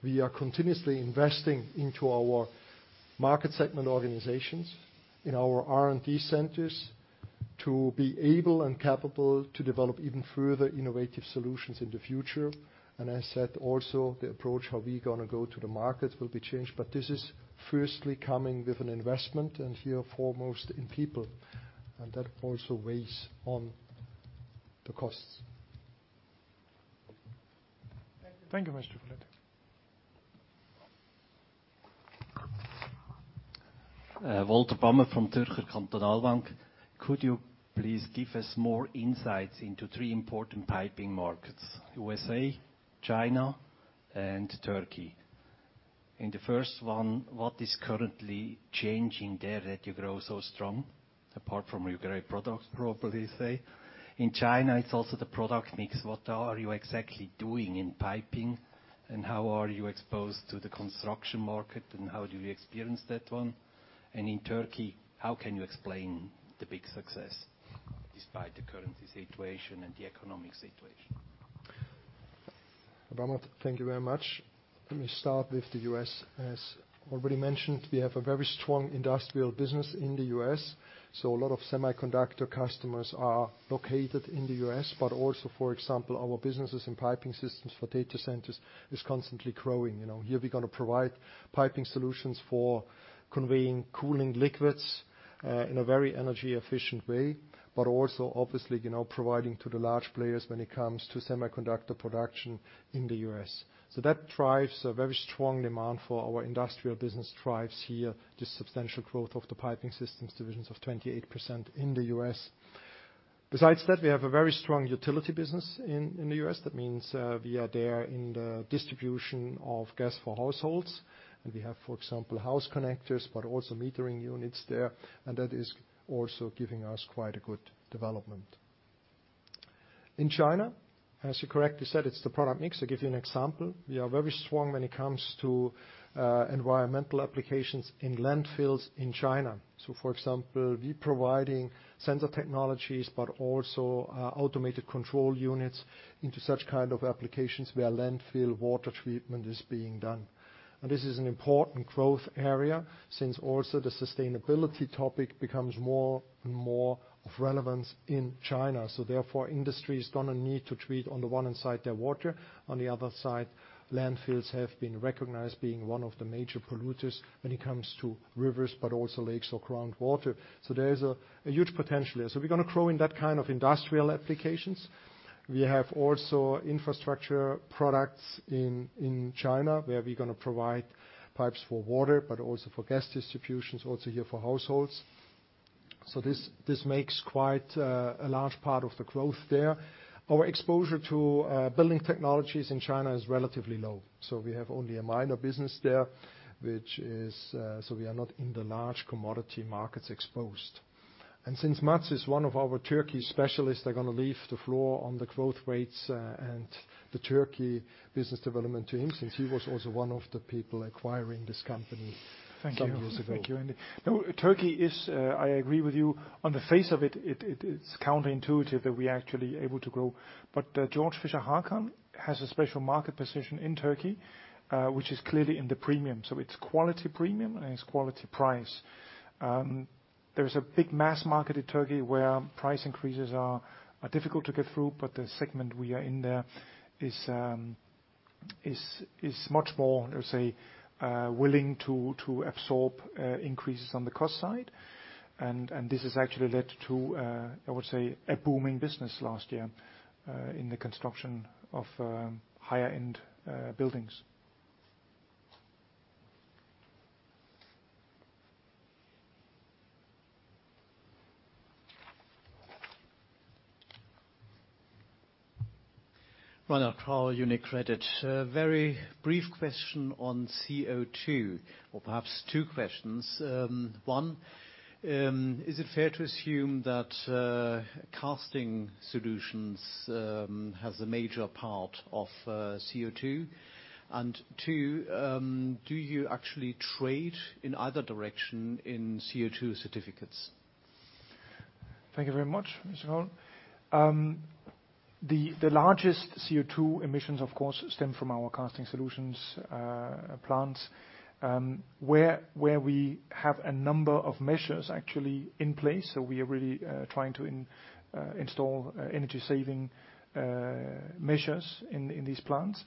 we are continuously investing into our market segment organizations in our R&D centers to be able and capable to develop even further innovative solutions in the future. I said also the approach, how we're gonna go to the market will be changed, but this is firstly coming with an investment, and here foremost in people, and that also weighs on the costs. Thank you. Thank you, Mr. Foletti. Walter Bamert from Zürcher Kantonalbank. Could you please give us more insights into three important piping markets, USA, China, and Turkey? In the first one, what is currently changing there that you grow so strong, apart from your great products, probably say. In China, it's also the product mix. What are you exactly doing in piping, and how are you exposed to the construction market, and how do you experience that one? In Turkey, how can you explain the big success despite the currency situation and the economic situation? Bamert, thank you very much. Let me start with the U.S. As already mentioned, we have a very strong industrial business in the U.S., so a lot of semiconductor customers are located in the U.S., but also, for example, our businesses in piping systems for data centers is constantly growing, you know. Here we're gonna provide piping solutions for conveying cooling liquids in a very energy efficient way, but also obviously, you know, providing to the large players when it comes to semiconductor production in the U.S. So that drives a very strong demand for our industrial business here, the substantial growth of the piping systems divisions of 28% in the U.S. Besides that, we have a very strong utility business in the U.S. That means, we are there in the distribution of gas for households, and we have, for example, house connectors, but also metering units there, and that is also giving us quite a good development. In China, as you correctly said, it's the product mix. To give you an example, we are very strong when it comes to, environmental applications in landfills in China. For example, we're providing sensor technologies, but also, automated control units into such kind of applications where landfill water treatment is being done. This is an important growth area since also the sustainability topic becomes more and more of relevance in China. Therefore, industry is gonna need to treat on the one side their water, on the other side, landfills have been recognized being one of the major polluters when it comes to rivers, but also lakes or groundwater. There is a huge potential there. We're gonna grow in that kind of industrial applications. We have also infrastructure products in China, where we're gonna provide pipes for water, but also for gas distributions, also here for households. This makes quite a large part of the growth there. Our exposure to building technologies in China is relatively low, so we have only a minor business there, which is so we are not in the large commodity markets exposed. Since Mads is one of our Turkey specialists, I'm gonna leave the floor on the growth rates and the Turkey business development to him, since he was also one of the people acquiring this company some years ago. Thank you. Thank you, Andy. No, Turkey is. I agree with you. On the face of it's counterintuitive that we're actually able to grow. Georg Fischer Hakan has a special market position in Turkey, which is clearly in the premium. It's quality premium and it's quality price. There is a big mass market in Turkey where price increases are difficult to get through, but the segment we are in there is much more, let's say, willing to absorb increases on the cost side. And this has actually led to, I would say, a booming business last year in the construction of higher-end buildings. Ronald Kroll, UniCredit. A very brief question on CO2, or perhaps two questions. One, is it fair to assume that Casting Solutions has a major part of CO2? Two, do you actually trade in either direction in CO2 certificates? Thank you very much, Mr. Kroll. The largest CO2 emissions, of course, stem from our Casting Solutions plants, where we have a number of measures actually in place. We are really trying to install energy-saving measures in these plants.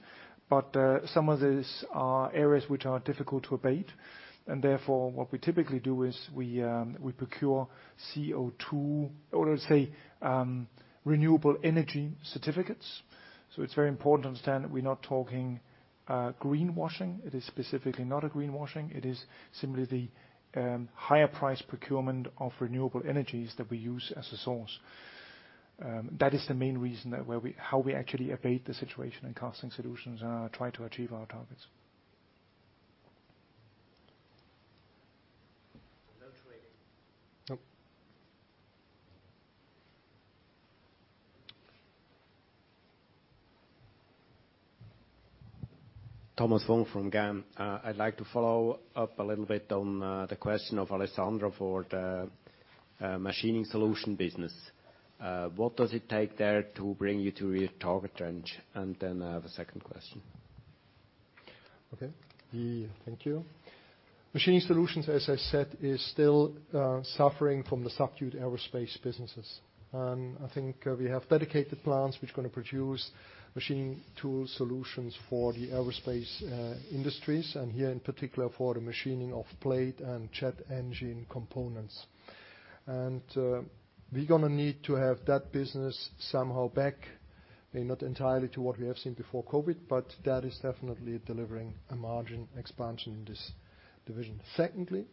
Some of these are areas which are difficult to abate, and therefore, what we typically do is we procure CO2, or let's say, renewable energy certificates. It's very important to understand that we're not talking greenwashing. It is specifically not a greenwashing. It is simply the higher price procurement of renewable energies that we use as a source. That is the main reason how we actually abate the situation in Casting Solutions and are trying to achieve our targets. No trading? No. Thomas Funk from GAM. I'd like to follow up a little bit on the question of Alessandro for the Machining Solutions business. What does it take there to bring you to your target range? And then I have a second question. Okay. Thank you. Machining Solutions, as I said, is still suffering from the subdued aerospace businesses. I think we have dedicated plants which are gonna produce machining tool solutions for the aerospace industries, and here in particular for the machining of plate and jet engine components. We're gonna need to have that business somehow back, maybe not entirely to what we have seen before COVID, but that is definitely delivering a margin expansion in this division. Secondly,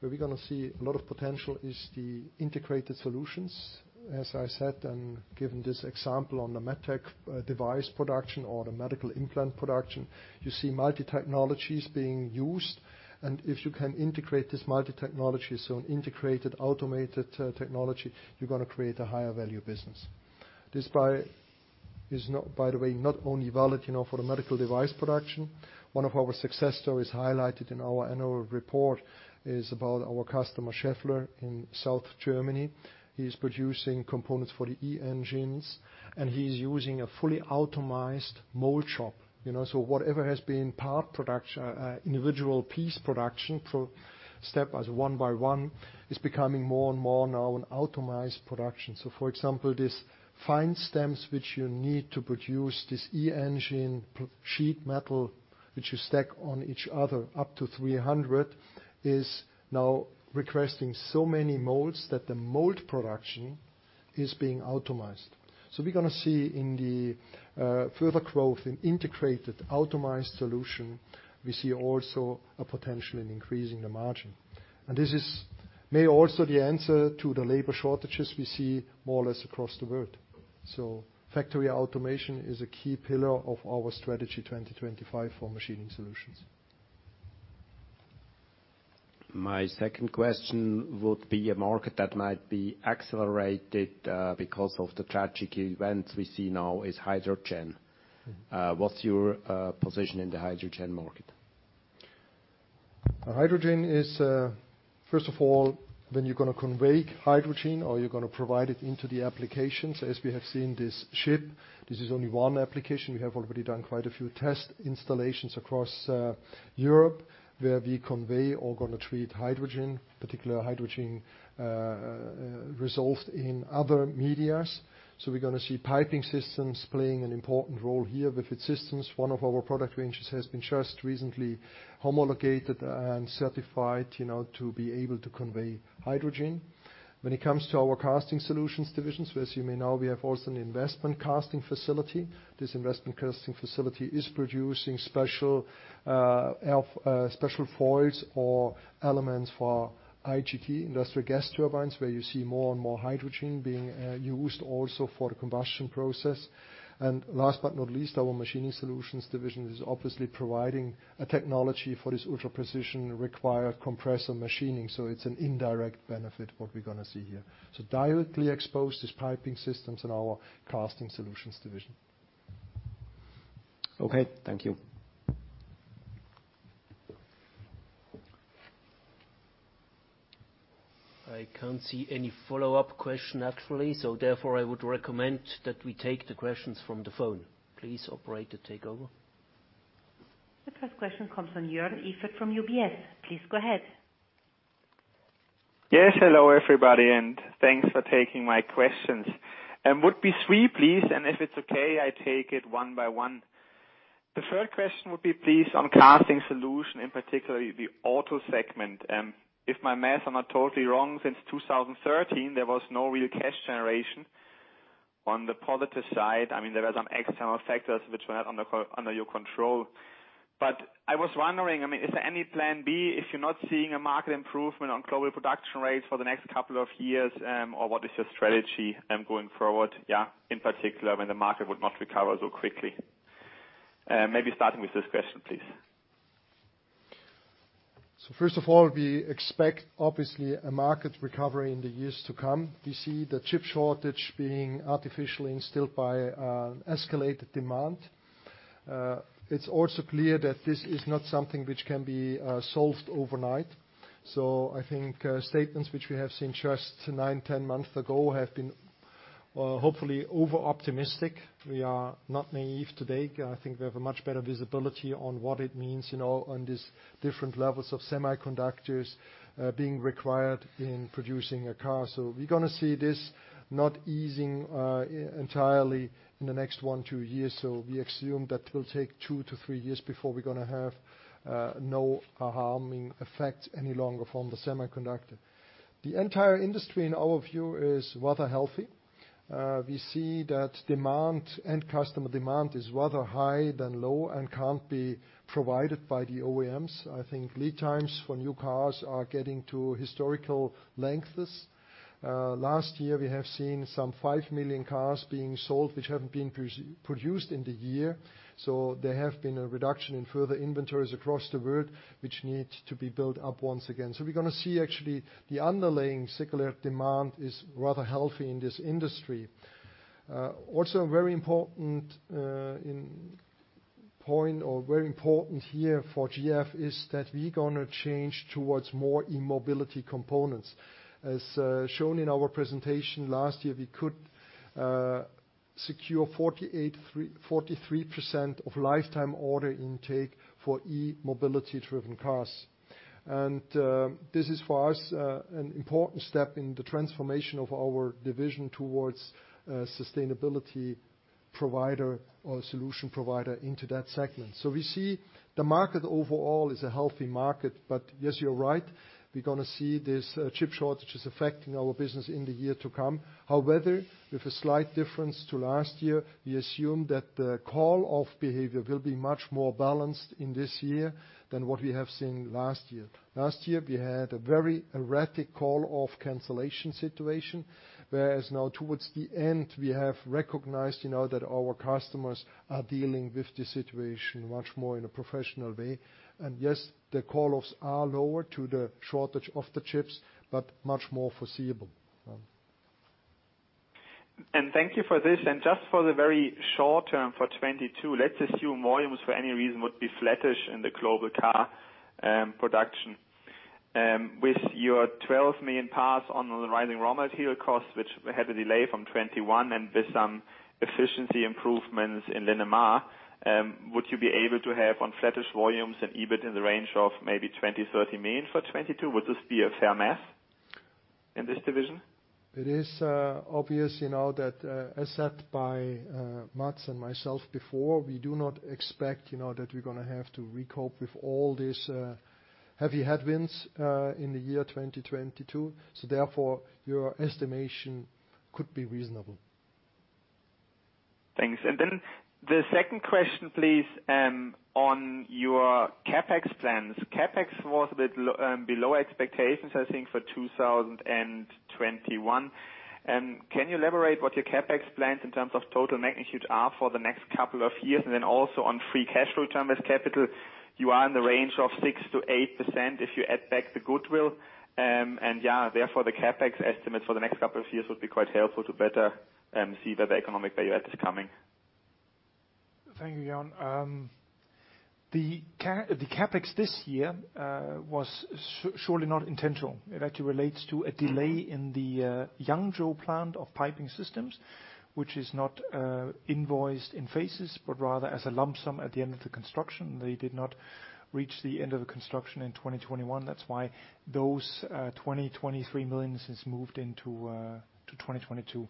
where we're gonna see a lot of potential is the integrated solutions, as I said, and given this example on the med tech device production or the medical implant production. You see multi-technologies being used, and if you can integrate these multi-technologies on integrated, automated technology, you're gonna create a higher value business. This is, by the way, not only valid, you know, for the medical device production. One of our success stories highlighted in our annual report is about our customer, Schaeffler, in South Germany. He's producing components for the e-engines, and he's using a fully automated mold shop. You know, whatever has been part production, individual piece production step as one by one, is becoming more and more now an automated production. For example, these fine stems which you need to produce this e-engine, sheet metal which you stack on each other up to 300, is now requesting so many molds that the mold production is being automated. We're gonna see in the further growth in integrated, automated solution, we see also a potential in increasing the margin. This is maybe also the answer to the labor shortages we see more or less across the world. Factory automation is a key pillar of our Strategy 2025 for Machining Solutions. My second question would be a market that might be accelerated, because of the tragic events we see now is hydrogen. What's your position in the hydrogen market? Hydrogen is first of all, when you're gonna convey hydrogen or you're gonna provide it into the applications, as we have seen this ship. This is only one application. We have already done quite a few test installations across Europe, where we convey or gonna treat hydrogen, particulate hydrogen dissolved in other media. We're gonna see piping systems playing an important role here. With GF systems, one of our product ranges has been just recently homologated and certified, you know, to be able to convey hydrogen. When it comes to our Casting Solutions divisions, as you may know, we have also an investment casting facility. This investment casting facility is producing special foils or elements for IGT, industrial gas turbines, where you see more and more hydrogen being used also for the combustion process. Last but not least, our Machining Solutions division is obviously providing a technology for this ultra-precision required compressor machining. It's an indirect benefit, what we're gonna see here. Directly exposed is Piping Systems and our Casting Solutions division. Okay, thank you. I can't see any follow-up question actually, so therefore, I would recommend that we take the questions from the phone. Please, operator, take over. The first question comes from Joern Iffert from UBS. Please go ahead. Yes, hello, everybody, and thanks for taking my questions. Would be three, please, and if it's okay, I take it one by one. The first question would be, please, on Casting Solutions, in particular, the Auto segment. If my math are not totally wrong, since 2013, there was no real cash generation. On the positive side, I mean, there were some external factors which were not under your control. I was wondering, I mean, is there any Plan B if you're not seeing a market improvement on global production rates for the next couple of years, or what is your strategy, going forward, in particular, when the market would not recover so quickly? Maybe starting with this question, please. First of all, we expect, obviously, a market recovery in the years to come. We see the chip shortage being artificially instilled by escalated demand. It's also clear that this is not something which can be solved overnight. I think statements which we have seen just 9 months-10 months ago have been hopefully over-optimistic. We are not naive today. I think we have a much better visibility on what it means, you know, on these different levels of semiconductors being required in producing a car. We're gonna see this not easing entirely in the next 1 year-2 years. We assume that will take 2 years-3 years before we're gonna have no harming effect any longer from the semiconductor. The entire industry, in our view, is rather healthy. We see that demand, end customer demand is rather high than low and can't be provided by the OEMs. I think lead times for new cars are getting to historical lengths. Last year we have seen some 5 million cars being sold which haven't been produced in the year. There have been a reduction in further inventories across the world, which need to be built up once again. We're gonna see actually the underlying secular demand is rather healthy in this industry. Also very important point here for GF is that we're gonna change towards more e-mobility components. As shown in our presentation last year, we could secure 43% of lifetime order intake for e-mobility-driven cars. This is for us an important step in the transformation of our division towards a sustainability provider or solution provider into that segment. We see the market overall is a healthy market. Yes, you're right, we're gonna see these chip shortages affecting our business in the year to come. However, with a slight difference to last year, we assume that the call-off behavior will be much more balanced in this year than what we have seen last year. Last year, we had a very erratic call-off cancellation situation, whereas now towards the end, we have recognized, you know, that our customers are dealing with the situation much more in a professional way. Yes, the call-offs are lower due to the shortage of the chips, but much more foreseeable. Thank you for this. Just for the very short term, for 2022, let's assume volumes for any reason would be flattish in the global car production. With your 12 million parts on the rising raw material costs, which had a delay from 2021, and with some efficiency improvements in Linamar, would you be able to have on flattish volumes an EBIT in the range of maybe 20 million-30 million for 2022? Would this be a fair math in this division? It is obvious, you know, that as said by Mads and myself before, we do not expect, you know, that we're gonna have to cope with all these heavy headwinds in the year 2022. Therefore, your estimation could be reasonable. Thanks. The second question, please, on your CapEx plans. CapEx was a bit below expectations, I think, for 2021. Can you elaborate what your CapEx plans in terms of total magnitude are for the next couple of years? Also on free cash flow term as capital, you are in the range of 6%-8% if you add back the goodwill. Therefore, the CapEx estimates for the next couple of years would be quite helpful to better see that economic value add is coming. Thank you, Joern. The CapEx this year was surely not intentional. It actually relates to a delay in the Yangzhou plant of piping systems, which is not invoiced in phases, but rather as a lump sum at the end of the construction. They did not reach the end of the construction in 2021. That's why those twenty-three millions has moved into 2022.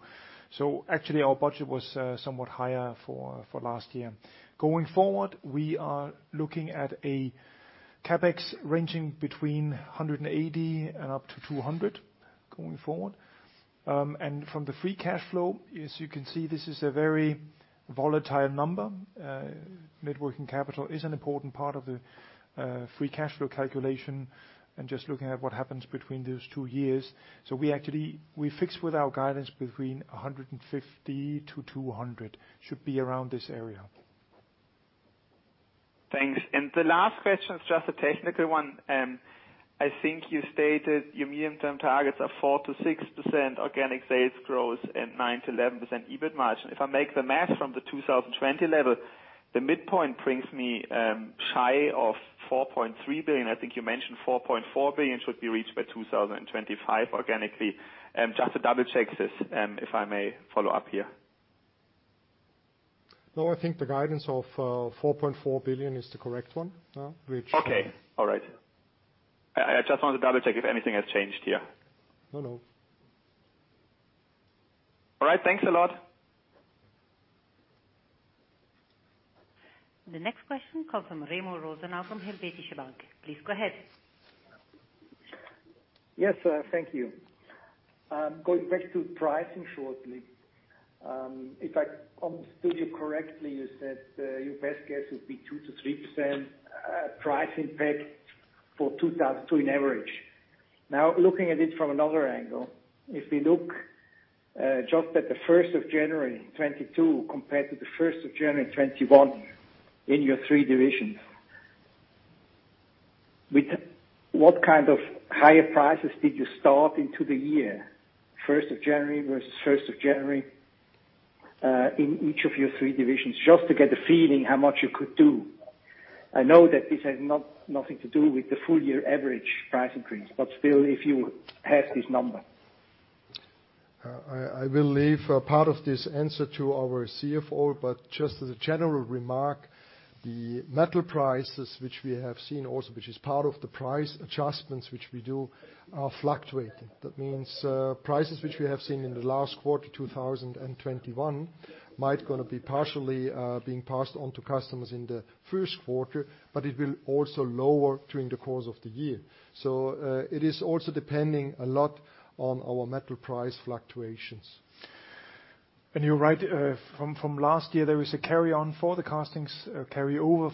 Actually, our budget was somewhat higher for last year. Going forward, we are looking at a CapEx ranging between 180 million and up to 200 million going forward. From the free cash flow, as you can see, this is a very volatile number. Net working capital is an important part of the free cash flow calculation and just looking at what happens between those two years. We actually stick with our guidance between 150 million-200 million, should be around this area. Thanks. The last question is just a technical one. I think you stated your medium-term targets are 4%-6% organic sales growth and 9%-11% EBIT margin. If I make the math from the 2020 level, the midpoint brings me shy of 4.3 billion. I think you mentioned 4.4 billion should be reached by 2025 organically. Just to double-check this, if I may follow up here. No, I think the guidance of 4.4 billion is the correct one, yeah. Okay. All right. I just wanted to double-check if anything has changed here. No, no. All right. Thanks a lot. The next question comes from Remo Rosenau from Helvetische Bank. Please go ahead. Yes, thank you. Going back to pricing shortly. If I understood you correctly, you said your best guess would be 2%-3% price impact for 2022 on average. Now, looking at it from another angle, if we look just at the first of January 2022 compared to the first of January 2021 in your three divisions. What kind of higher prices did you start into the year, first of January versus first of January, in each of your three divisions just to get a feeling how much you could do? I know that this has nothing to do with the full year average price increase, but still, if you have this number. I will leave a part of this answer to our CFO, but just as a general remark, the metal prices which we have seen also, which is part of the price adjustments which we do, are fluctuating. That means, prices which we have seen in the last quarter 2021 might gonna be partially, being passed on to customers in the first quarter, but it will also lower during the course of the year. It is also depending a lot on our metal price fluctuations. You're right. From last year, there is a carryover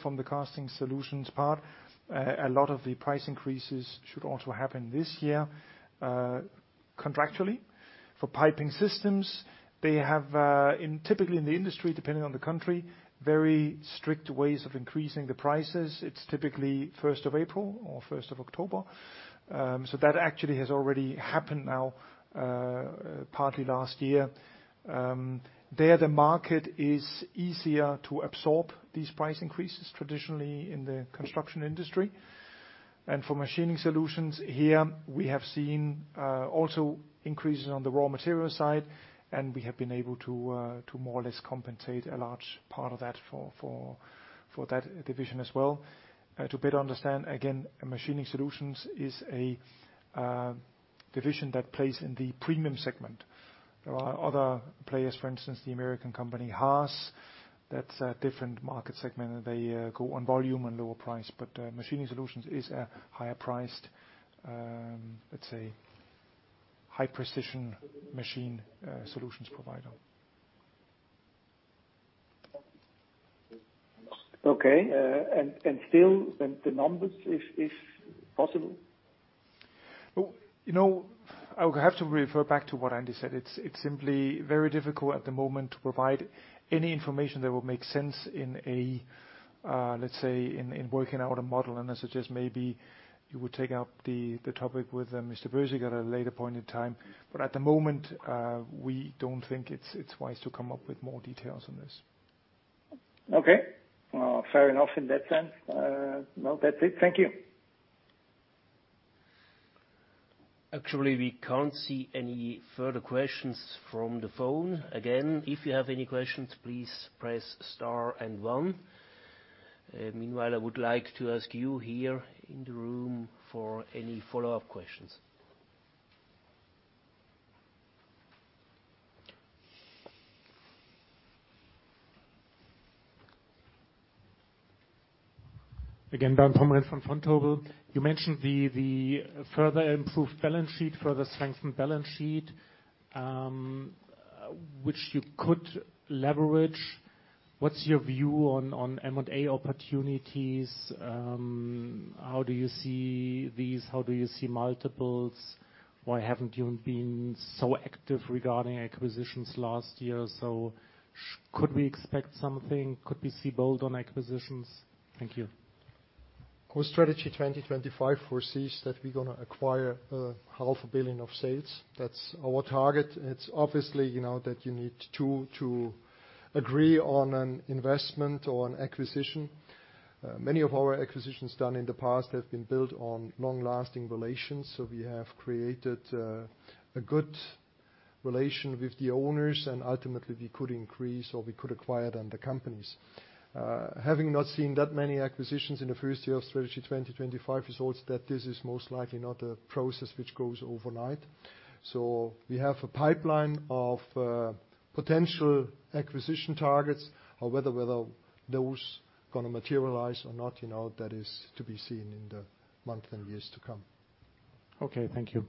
from the Casting Solutions part. A lot of the price increases should also happen this year, contractually. For Piping Systems, they have, typically in the industry, depending on the country, very strict ways of increasing the prices. It's typically first of April or first of October. That actually has already happened now, partly last year. The market is easier to absorb these price increases traditionally in the construction industry. For Machining Solutions, we have seen also increases on the raw material side, and we have been able to more or less compensate a large part of that for that division as well. To better understand, again, Machining Solutions is a division that plays in the premium segment. There are other players, for instance, the American company Haas, that's a different market segment, and they go on volume and lower price. Machining Solutions is a higher priced, let's say high precision machine, solutions provider. Okay, still the numbers if possible? Oh, you know, I would have to refer back to what Andy said. It's simply very difficult at the moment to provide any information that will make sense in a, let's say, in working out a model. I suggest maybe you would take up the topic with Daniel Bösiger at a later point in time. At the moment, we don't think it's wise to come up with more details on this. Okay. Well, fair enough in that sense. Well, that's it. Thank you. Actually, we can't see any further questions from the phone. Again, if you have any questions, please press star and one. Meanwhile, I would like to ask you here in the room for any follow-up questions. Again, Bernd Pomrehn from Vontobel. You mentioned the further improved balance sheet, further strengthened balance sheet, which you could leverage. What's your view on M&A opportunities? How do you see these? How do you see multiples? Why haven't you been so active regarding acquisitions last year? Could we expect something? Could we see bold on acquisitions? Thank you. Our Strategy 2025 foresees that we're gonna acquire CHF half a billion of sales. That's our target. It's obviously, you know, that you need to agree on an investment or an acquisition. Many of our acquisitions done in the past have been built on long-lasting relations. We have created a good relation with the owners, and ultimately we could increase or we could acquire then the companies. Having not seen that many acquisitions in the first year of Strategy 2025 results that this is most likely not a process which goes overnight. We have a pipeline of potential acquisition targets or whether those gonna materialize or not, you know, that is to be seen in the months and years to come. Okay, thank you.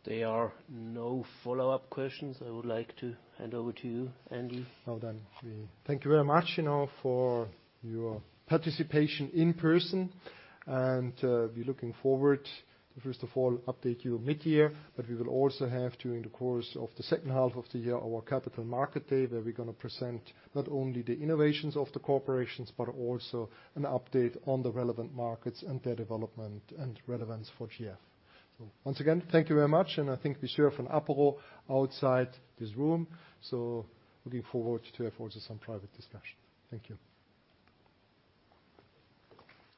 If there are no follow-up questions, I would like to hand over to you, Andy. Well done. We thank you very much, you know, for your participation in person, and we're looking forward to, first of all, update you mid-year, but we will also have, during the course of the second half of the year, our capital market day, where we're gonna present not only the innovations of the corporations, but also an update on the relevant markets and their development and relevance for GF. Once again, thank you very much, and I think we share for an apéro outside this room. Looking forward to for some private discussion. Thank you.